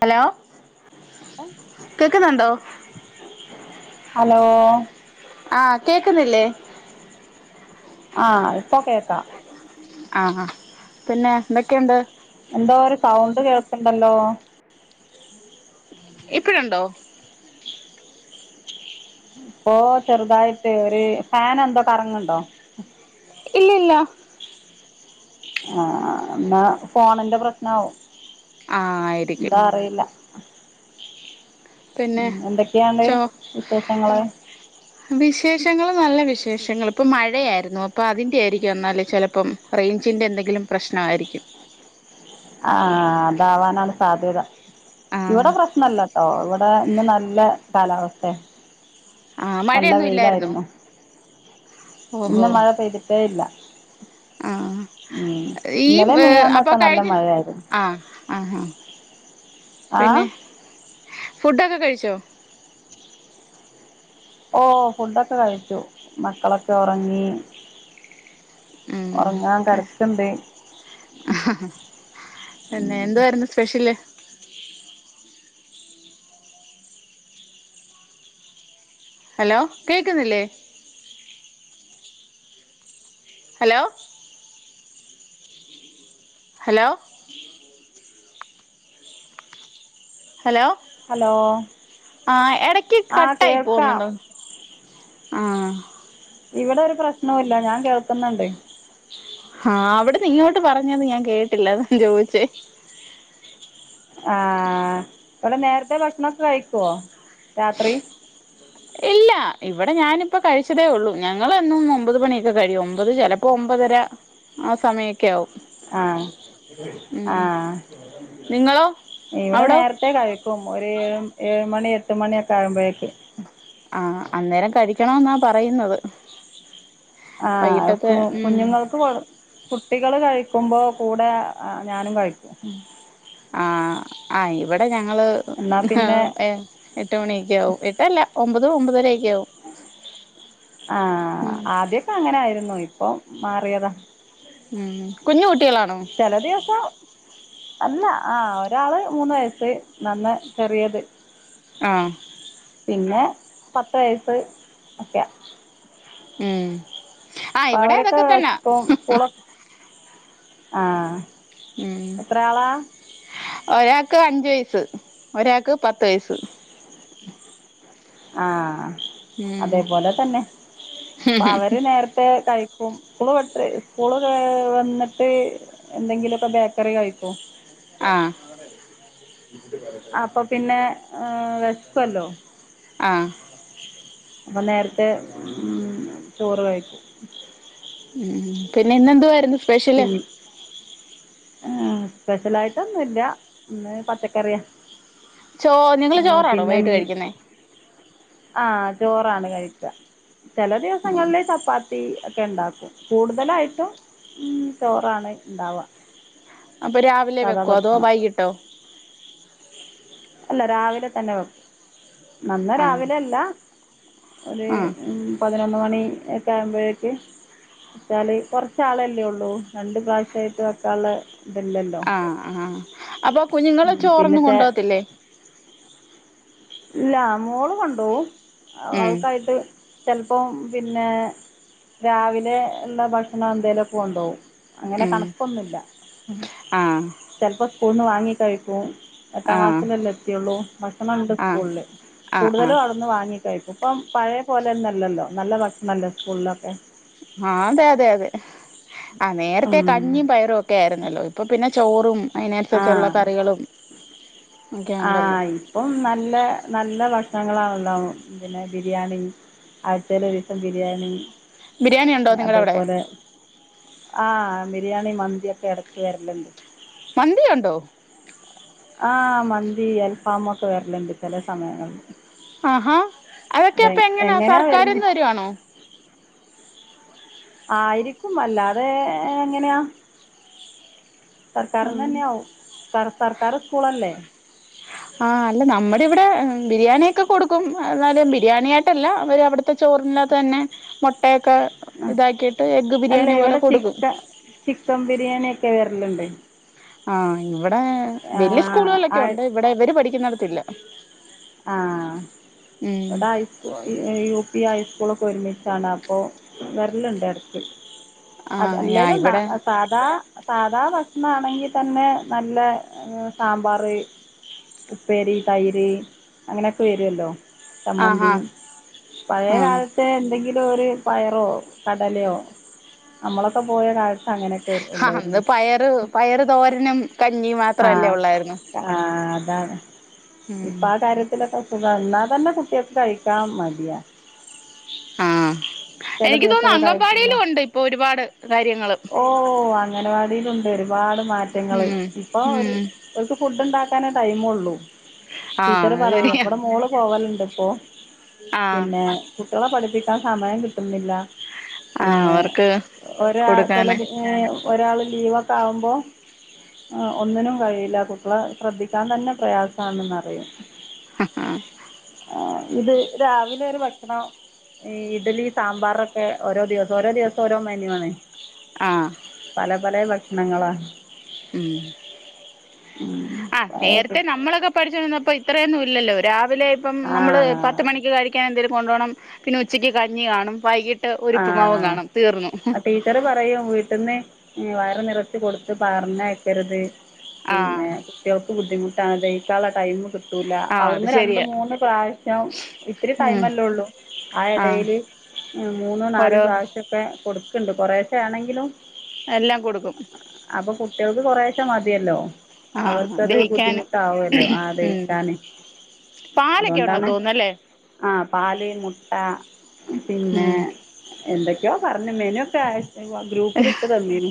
Hello കേക്കുന്നുണ്ടോ hello ആഹ കേക്കുന്നില്ലേ. ആഹ ഇപ്പൊ കേക്കാം ആഹ ആ പിന്നെ എന്തൊക്കെയുണ്ട്. എന്തോ ഒരു സൗണ്ട് കേൾക്കണ്ടല്ലോ. ഇപ്പഴുണ്ടോ. ഇപ്പോ ചെറുതായിട്ട് ഒരു ഫൻ എന്തോ കറങ്ങണ്ടോ ഇല്ല ഇല്ല ആ എന്നാ ഫോണിന്റെ പ്രശ്നമാവും ആ ആയിരിക്കും പിന്നെ ഉം എന്തൊക്കെയാണ്ട് ച വിശേഷങ്ങള് വിശേഷങ്ങൾ നല്ല വിശ വി ശേഷങ്ങിപ്പ മഴയായിരുന്നു അപ്പ അതിന്റെ ആയിരിക്കും എന്നാലല് ചിലപ്പം റേഞ്ചിറെ എന്തെങ്കിലും പ്രശ്നമായിരിക്കും. [unintelligible] ആഹ അതാവാനാണ് സാധ്യത ആഹ് ഇവിടെ പ്രശ്നല്ലട്ടോ ഇവിടെ ഇന്ന് നല്ല കാലാവസ്ഥ. ആഹ് നല്ല മഴയൊന്നും ഇല്ലായിരുന്നോ വെയിലായിരുന്നു. ഓഹോ ഇന്ന് മഴ പെയ്തിട്ടേ ഇല്ല. ആഹ് ഉ ഈ ഇന്നലെ മിനിയാന്നക്ക നല്ല മഴയായിരുന്നു ആഹ് [unintelligible] ഫുഡൊക്കെ കഴിച്ചോ? ഓ ഫുഡൊക്കെ കഴിച്ചു. മക്കളൊക്കെ ഉറങ്ങി. ഉം ഉറങ്ങാൻ കിടക്കണ്ട്. ആ പിന്നെ ഉം എന്തായിരുന്നു സ്പെഷ്യല്. ഹലോ കേൾക്കുന്നില്ലേ? ഹലോ ഹലോ ഹലോ ഹലോ ആ ഇടക്ക് ആ കട്ടായി കേൾക്കാം പോകുന്നുണ്ടോ? ആ ഇവിടെ ഒരു പ്രശ്നവല്ല ഞാൻ കേൾക്കുന്നുണ്ട്. ആഹ അവിടെന്ന് ഇങ്ങോട്ട് പറഞ്ഞത് ഞാൻ കേട്ടില്ലാൻ ചോദിച്ചേ. ആഹ ഇവിടെ നേരത്തെ ഭക്ഷണംക്കെ കഴിക്കുവോ? രാത്രി. ഇല്ല ഇവിടെ ഞാനിപ്പ കഴിച്ചതേ ഉള്ളൂ. ഞങ്ങൾ എന്നുംന്ന് ഒമ്പത് മണിയൊക്കെ കഴിയും മ്പത് ചിലപ്പോ ഒമ്പതര ആ സമയ ആഹ ഉം ആ നിങ്ങളോ ഇവിടെ അവിടോ നേരത്തെ കഴിക്കും. ഒരുഏഴ ഏഴ മണി എട്ട് മണിയൊക്കെ ആകുമ്പോഴേക്ക്. ആഹ അന്നേരം കഴിക്കണം. എന്നാ പറയുന്നത്. ആ വൈകിട്ടത്തെ ഉം കുഞ്ഞുങ്ങൾക്ക് കൊ കുട്ടികള് കഴിക്കുമ്പോ കൂടെ ഞാനും കഴിക്കും. ആ ആ ഇവിടെ ഞങ്ങ എന്നാ പിന്നെ എട്ട് മണിയക്ക്കവും ഇട്ടല്ല ഒമ്പത് ഒമ്പത്തര. ആഹ ആദ്യക്കെ അങ്ങനൊയിരുന്നു. അപ്പൊ മാറിയതാ ഉം കുഞ്ഞ ചല ദിവസം അല്ല ആ ഒരാള് മൂന്ന് വയസ്, നന്ന ചെറിയത് ആ പിന്നെ പത്ത് വയസ് ഒക്കെയ ഉം ആഹ് അപ്പ ഇവിടെ അവരൊക്കെ അതൊക്കെ [unintelligible] തന്നാ ഇപ്പ സ്കൂളൊക്കെ ആഹ ഉം എത്രളാ ഒരാൾക്ക് അഞ്ച് വയസ്സ്, ഒരാൾക്ക് പത്ത് വയസ്സ്. ആഹ ഉം അതേപോലെ തന്നെ അപ്പൊ അവര് നേരത്തെ കഴ സ്കൂള് പ സ്കൂള് വന്നിട്ട് എന്തെങ്കിലുമൊക്കെ ബേക്കറി കഴിക്കോ ആഹ് അപ്പൊ പിന്നെ വെശ ക്കല്ലോ. ആ അപ്പൊ നേരത്തെ ഉ ചോറ് കഴിക്കും. ഉ പിന്നെ ഇന്നെന്തു ആയിരുന്നു സ്പെഷ്യല് ആ സ്പെഷ്യലായിട്ടൊന്നുംല്ല ഇന്ന് പച്ചക്കറിയാ. ചോ നിങ്ങള് ആ ചോറാണോ പിന്നെ വൈകിട്ട് മീൻ. കഴിക്കുന്നേ ആഹ ചോറാണ് കഴിക്കുക. ചില ദിവസങ്ങളെ ചപ്പാത്തി ഒക്കെ ഉണ്ടാക്കും. കൂടുതലായിട്ടും ഉം ചോറാണ് ഇണ്ടാവാ. അപ്പൊ രാവിലെ വെക്കോ അതോ വൈകിട്ടോ അല്ല രാവിലെ തന്നെ വെക്കും. നന്ന ആഹ് രാവിലെ അല്ല ഒരു ആഹ് പതിനൊന്ന് മണി ഒക്കെ ആവുമ്പോഴേക്ക് വച്ചാല് കൊറച്ചാളല്ലേ ഉള്ളൂ രണ്ട പ്രാവശ്യമായിട്ട് വക്കുള്ള ഇതല്ലല്ലോ. ആ ആ അപ്പൊ കുഞ്ഞുങ്ങള ചോറൊന്നും ചെ കൊണ്ട പോകത്തില്ലേ? ഇല്ല മോള് കൊണ്ടോവും ഉം അവൾക്കായിട്ട് ചിലപ്പം പിന്നെ രാവിലെ ഉള്ള ഭക്ഷണം എന്തേലും കൊണ്ടോവും. അങ്ങനെ ഉം കണക്കൊന്നുമില്ല ആഹ് [inaudible] ചിലപ്പോ സ്കൂള നിന്ന് വാങ്ങി കഴിക്കൂ. എട്ടാം ആഹ് ക്ലാസ്സിലല്ലാം എത്തിയുള്ളൂ ഭക്ഷണം ഉണ്ട്. ആഹ് ആഹ് ആഹ് കൂടുതലും അവിന്ന് വാങ്ങ കഴി ഇപ്പം പഴയ പോലെ ഒന്നല്ലല്ലോ, നല്ല ഭക്ഷണല്ലോ സ്കൂളിലൊക്കെ ആഹ അതെ അതെ അതെ ആ നേരത്തെ ഉം കഞ്ഞിയും പയറും ഒക്കെ ആയിരുന്നല്ലോ ഇപ്പൊ പിന്നെ ചോറും അതിനനുസരിച്ചുള്ള കറികളും ഒക്കെ ഉണ്ടല്ലോ ആഹ ഇപ്പം നല്ല നല്ല ഭക ക്ഷ്ണങ്ങളാണല്ലോ. പിന്നെ ബിരിയാണി ആഴ്ചൽ ഒരിസം ബിരിയാണി. ബിരിയാണി ഉണ്ടോ നിങ്ങളുടെ അവിടെ അതേപോലെ ആഹ ബിരിയാണി മന്തി ഒക്കെ ഇടക്ക് വരലുണ്ട്. മന്തി ഉണ്ടോ? ആഹ മന്തി അൽഫാമ ഒക്കെ വരലുണ്ട് ചില സമയങ്ങളിൽ ആഹാ അതൊക്കെ അത് അപ്പ എങ്ങനാ എങ്ങനെയാണ് സർക്കാർന്ന് വരുന്നത് വരുവാണോ? ആയിരിക്കും, അല്ലാതെ എങ്ങനെയാ സർക്കാരിന്ന് തന്നെയാവും സർ സർക്കാർ സ്കൂളല്ലേ ആഹ അല്ല നമ്മുടെ ഇവിടെ ബിരിയാണിയൊക്കെ കൊടുക്കും എന്നാലും ബിരിയാണിയ ആയിട്ടല്ല അവര് അവിടുത്തെ ചോ റിനെ തന്നെ മൊ ട്ടേക്ക ഇതാക്കിയിട്ട് എഗ്ഗ് അല്ല ബിരിയാണി പോലെ ഇവിടെ കൊടുക്കും. ചിക്കൻ ചിക്കൻ [unintelligible] ആഹ ഇവിടെ ആ വല്യ സ്കൂളുകളോക്കെ ഉണ്ട് ഇവിടെ ഇവര് പഠിക്കുന്നിടത്തില്ല. ആഹ് ഉം ഇവിടെ ഹസ്കൂ യു പി ഹൈസ്കൂൾ ഒക്കെ ഒരുമി കാണ അപ്പൊ വരലുണ്ട് ഇടക്ക് ആ അത് ആ അല്ലേലും ഇവിടെ സാധാ സാധാ ന്നാ ആണെങ്കി തന്നെ നല്ല സാമ്പാറ് ഉപ്പേരി തൈര് അങ്ങനെയൊക്കെ വരുവല്ലോ സമ്മന്തി ആഹാ പഴയ ആ കാലത്ത് എന്തെങ്കിലും പയറോ കടലയോ നമ്മളൊക്കെ പോയ കാലത്ത് അങ്ങനെെ ആ അന്ന് പയറ് പയറ് തോരനും കഞ്ഞി മാത്രല്ലേ ആഹ് ഒള്ളായിരുന്നു ആ അതാണ് ഉം ഇപ്പൊ ആ കാര്യത്തിലൊക്കെ സുഖ എന്നാ തന്നെ കുട്ടികൾക്ക് കഴിക്കാൻ മടിയാ ആഹ് എനിക്ക് തോന്നുന്നു ദിവസമൊക്കെ കഴിക്കില്ല അങ്കമ്പാടിയിലും ഉണ്ട് ഇപ്പോ ഒരുപാട് കാര്യങ്ങള് ണ്ട് ഒരുപാട് മാറ്റങ്ങള് ഉം ഇപ്പൊ ഉം ഒരുക്ക് ഫുഡ് ഉണ്ടാക്കാനേ ടൈമ് ഒള്ളൂ ആഹ് ടീച്ചറ് അത് പറയൂ ശരിയാ ഇവിടെ മോള് പോവലുണ്ട് ഇപ്പൊ ആഹ് പിന്നെ കുട്ടികളെ പഠിപ്പിക്കാൻ സമയം കിട്ടുന്നില്ല ആഹ് പിന്നെ അവർക്ക് ഒരാ ചെല കൊടുക്കാന് ഒരാള് ലീവൊക്കെ ആകുമ്പോ ആ ഒന്നിനും കഴിയില്ല കുട്ട്യളെ ശ്രദ്ധിക്കാൻ തന്നെ പ്രയാസമാണെന്ന അറിയും ആഹ് ആ ആഹ് ഇത് രാവിലെ ഒരു ഭക്ഷണം ഈ ഇഡലി സാമ്പാറൊക്കെ ഓരോ ദിവസം ഓരോ ദിവസം ഓരോ മന്യു ആണ് ആഹ് പല പല ഭക്ഷണങ്ങളാ ഉം ആഹ് അതൊക്കെ നേരത്തെ നമ്മളൊക്കെ പഠിച്ച വന്നപ്പോ ഇത്രയൊന്നും ഇല്ലല്ലോ ഒ രാവിലെ ഇപ്പം ആ നമ്മൾ പത്ത് മണിക്ക് കഴിക്കാൻ എന്തേലിലും കൊണ്ട് പോകണം പിന്നെ ഉച്ചയ്ക്ക് കഞ്ഞി കാണും വൈകിട്ട് ഒരുപ്പുമാവും ആഹ് കാണും തീർന്നു ടീച്ചറ് പറയും വീട്ടിൽന്ന് വയറ് നിറച്ച് കൊടുത്ത് പറഞ്ഞ് വക്കരുത് ആഹ് പിന്നെ കുട്ട്യൾക്ക് ബുദ്ധിമുട്ടാണ് ദഹിക്കാനുള്ള ടൈമി കി കിട്ടൂല ആഹ് അത് അവിടുന്ന് രണ്ട് ശരിയാ മൂന്ന് പ്രാവശ്യം ഇത്തിരി ഉം ടൈമല്ലേള്ളൂ ആ ആഹ് ഇടയില് മൂന്നു നാലു ഓരോ പ്രാവശ്യമൊക്കെ കൊടുക്കണ്ട് കൊറെേശ ആണെങ്കിലും എല്ലാം കൊടുക്കും അപ്പോൾ കുട്ടികൾക്ക് കുറേശൈ മതിയല്ലോ ആഹ് അവർക്കത് ദഹിക്കാന് ബുദ്ധിമുട്ടാവല്ലോ ആ ഉം ദഹിക്കാന് പാലൊക്കെ ഉണ്ടെന്ന് അതുകൊണ്ടാണ് തോന്നുന്നല്ലേ ആഹ് പാല് മുട്ട പിന്നെ ഉം എന്തൊക്കെയോ പറഞ്ഞ മേനൊക്കെ ഗ്രൂപ്പിലിട്ട് തന്നീനു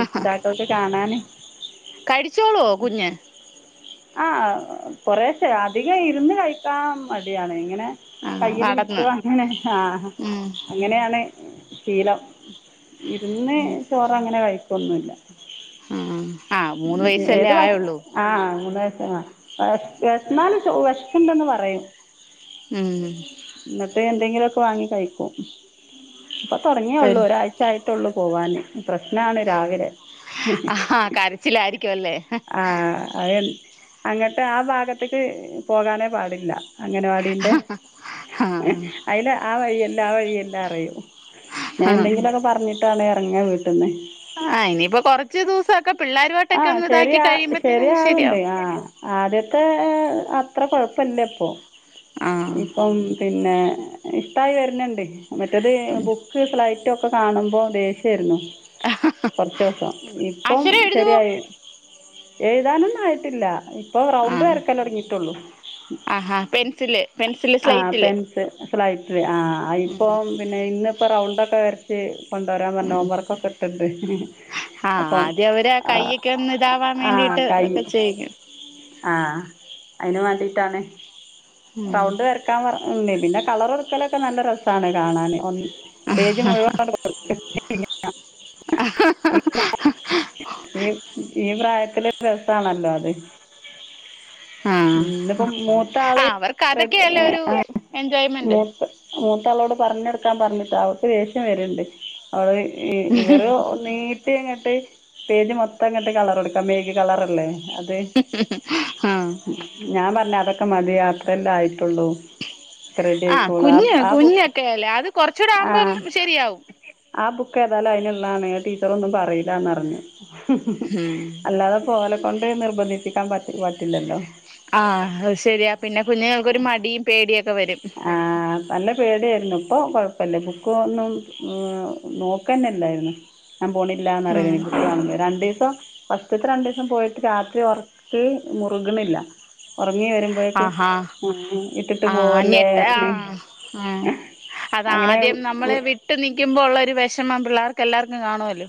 രക്ഷിതാക്കൾക്ക് കാണാന് കഴിച്ചോളോ കുഞ്ഞ് ആ കൊറെശെ അധികം ഇരുന്ന് കഴിക്കാൻ മടിയാണ് ഇങ്ങനെ ആഹ് കയ്യിൽ പിടിച്ച് നടന്ന് അങ്ങനെ ആഹ് ഉം അങ്ങനെയാണ് ശീലം ഇരുന്ന് ചോറ് അങ്ങനെ കഴിക്കൊന്നുമല്ല ആ ആഹ് മൂന്ന് വയസ്സല്ലേ ഭക്ഷ ആയുള്ളൂ ആ വേശന്നല് വിശക്കുണ്ടന്ന് പറയും ഉം എന്നിട്ട് എന്തെങ്കിലുമൊക്കെ വാങ്ങി കഴിക്കും ഇപ്പൊ പിൻ തുടങ്ങിയള്ളൂ ഒരാഴ്ചായിട്ട് ട്ടൊള്ളൂ പോവാാന് പ്രശ്നാണ് രാവിലെ ആഹ് കരച്ചിലായിരിക്കും അല്ലേ ആ അത് അങ്ങട്ട് ആ ഭാഗത്തേക്ക് പോകാനേ പാടില്ല അങ്ങനെ ടീ ആഹ് അയിന് ആ വഴില്ല ആ വഴിയല്ല പറിയൂ ഞാൻ ആഹ് എന്തെങ്കിലുമൊക്കെ പറഞ്ഞിട്ടാണ് ഇറങ്ങ വീട്ട്ന്ന് ആഹ് ഇനിയിപ്പോ കൊറച്ചു ദിവസം ആഹ് ശരിയാ ശരിയാവണ്ട് ശരിയാവും ആ ആദ്യ ത്തെഅത്ര കുഴപ്പല്ലേ ഇപ്പൊ ആഹ് ഇപ്പം പിന്നെ ഇഷ്ടമായി വരുന്നുണ്ട് മറ്റേത് ബുക്ക് സ്ലൈറ്റ ഒക്കെ കാണുമ്പോ ദേഷ്യ [unintelligible] കുറച്ച് ദിവസം ഇപ്പം അക്ഷരം എഴുതുവോ ശരിയായി എഴുതാനൊന്നും ആയിട്ടില്ല ഇപ്പൊ റൗണ്ട് ആഹ് വരക്കല് തൊടങ്ങിട്ടുള്ളൂ ആഹാ പെൻസില് പെൻസില് ആ സ്ലേറ്റില് പെൻസ് സ്ലൈറ്റ് ആ ഇപ്പം പിന്നെ ഇന്ന് ഇപ്പൊ റൗണ്ട് ഒക്കെ വരച്ച് കൊണ്ടുവരാൻ പറഞ്ഞ് ഹോം വർക്കൊക്കെ ഇട്ടുണ്ട് ആഹ് ആദ്യം അവര് കയ്യൊക്കെ ഒന്ന് ഇതാവാൻ വേണ്ടിട്ട് ഒക്കെ ചെയക്കും ആഹ് അതിന് വേണ്ടിയിട്ടാണ് ഉം റൗണ്ട് വരക്കാൻ പറ ഉണ്ട് പിന്നെ കളർ കൊടുക്കലൊക്കെ നല്ല രസമാണ് കാണാൻ ഒ പേജ് മുഴുവൻ കെടു [unintelligible] ഈ ഈ പ്രായത്തില് രസാണല്ലോ അത് ആഹ് ഇന്നിപ്പോ മൂത്ത ആള് ആഹ് അവർക്ക് അതൊക്കെയല്ലേ ഒരു മൂ എൻജോയ്മെന്റ് മൂത്താളോട് പറഞ്ഞുകൊ ക്കാൻ പറഞ്ഞിട്ട് അവൾക്ക് ദേഷ്യം വര്‌ണ്ട് അവള് ഇവര് നീ കുട്ടി അങ്ങോട്ട് പേജ് മൊത്തം അങ്ങോട്ട് കളർ കൊടുക്കാം മെയ്ക് കളർ അല്ലേ ആഹ് ഞാൻ പറഞ്ഞ അതൊക്കെ മതി അത്രയെല്ലെ ആയിട്ടുള്ളൂ റെഡി ആഹ് ആയിക്കോളും ആ കുഞ്ഞ് ആ ബുക്ക് കുഞ്ഞൊക്കെയല്ലേ അത് കൊറച്ചൂടെ ആവുമ്പം ആഹ് ശരിയാവും ആ ബുക്ക് ഒക്കെ അതിനുള്ളതാണ് ടീച്ചർ ഒന്നും പറയില്ലാന്ന് പറഞ്ഞു ഉം അല്ലാതെ ഇപ്പം ഓലെ കൊണ്ട് നിർബന്ധിപ്പിക്കാൻ പറ്റ പറ്റില്ലല്ലോ ആഹ് അഹ് ശരിയാ പിന്നെ കുഞ്ഞുങ്ങൾ ക്കൊരു മടിയും പേടിയൊക്കെ വരും ആഹ് നല്ല പേടി ഇപ്പ കൊഴപ്പല്ല ബുക്കൊന്നും നോക്കന്നല്ലായിരുന്നു ഞാൻ പോണില്ലാന്ന് ഉം പറിയലയ്നു കുട്ടി കാണുമ്പോ രണ്ടീസം ഫസ്റ്റത്തെ രണ്ടീസം പോയിട്ട് രാത്രി ഉറക്ക് മുറുക്ണില്ല ഒറങ്ങി വരുമ്പോഴേക്ക് ഉം ഇട്ടിട്ട് പോവ് ഞെട്ടാ ആഹ് അങ്ങനെ അതാദ്യം നമ്മള് വിട്ട് നിക്കുമ്പോ ഉള്ള ഒരു വെഷമം പിള്ളേർക്ക് എല്ലാർക്കും കാണുമല്ലോ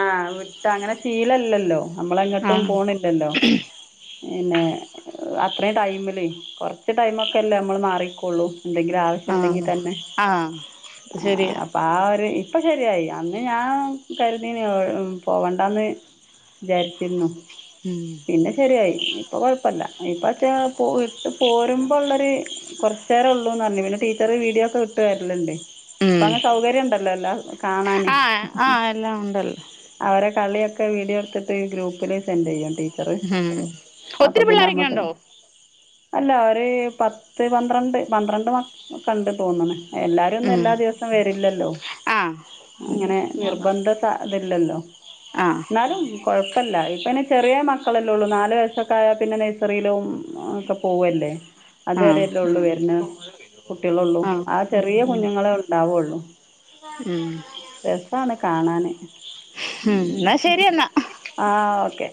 ആഹ് വിട്ട് അങ്ങനെ ശീലല്ലല്ലോ നമ്മളെങ്ങോട്ടും ആഹ് പോണില്ലല്ലോ പിന്നെ അത്രയും ടൈമില് കുറച്ച് ടൈമൊക്കെ അല്ലേ നമ്മൾ മാറിക്കുള്ളു എന്തെങ്കിലും ആവശ്യം ഉണ്ടെങ്കി ആഹ് തന്നെ ആഹ് അത് ആ ശരിയാ അപ്പൊ ആ ഒരു ഇപ്പൊ ശരിയായി അന്ന് ഞാൻ കരുതീന് പോവണ്ടാന്ന് വിചാരിച്ചിരുന്നു ഉം പിന്നെ ശെരിയായി ഇപ്പൊ കുഴപ്പല്ല ഇപ്പ ച്ചാ ഇട്ട് പോരുമ്പോ ള്ളരു കുറച്ചേരം ഉള്ളൂന്ന് പറഞ്ഞു പിന്നെ ടീച്ചറ് വീഡിയോ ഒക്കെ വിട്ട് തരലിണ്ട് ഇപ്പോ ഉം അങ്ങനെ സൗകര്യം ഉണ്ടല്ലോ എല്ലാ കാണാന് ആഹ് ആഹ് എല്ലാം ഉണ്ടല്ലോ അവരൊക് കളിയൊക്കെ വീഡിയോ എടുത്തിട്ട് ഗ്രൂപ്പിൽ സെൻഡെയ്യും ടീ ചറ് ഉം അപ്പോ ഒത്തിരി പിന്നെ പിള്ളോരൊക്കെ അമ്മക്ക് ഉണ്ടോ അല്ലാ പത്ത് പന്ത്രണ്ട് പന്ത്രണ്ട് മക് ക്കെണ്ട് തോന്നണ് എല്ലാരൊന്നും ഉം എല്ലാ ദിവസം വരില്ലല്ലോ ആഹ് അങ്ങനെ നിർബന്ധ സാ ഇതില്ലല്ലോ ആഹ് ന്നാലും കൊഴപ്പല്ല ഇട് പിന്നെ ചെറിയ മക്കളല്ലേ ഉള്ളൂ നാല് വയസ്സൊക്കെ ആയാ പിന്നെ നഴ്സറിയിലും ഒക്കെ പോവല്ലേ ആഹ് അതുവരെല്ലേ ഉള്ളൂ വരുന്ന കുട്ടികളുള്ളൂ ആഹ് ആ ചെറിയ കുഞ്ഞുങ്ങളെ ഉണ്ടാവുള്ളു ഉം രസാണ് കാണാന് ഉം എന്നാ ശരി എന്നാ ആ ഓക്കെ